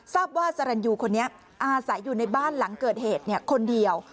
ทราบว่าสรรยูคนนี้อาศัยอยู่ในบ้านหลังเกิดเหตุคนเดียว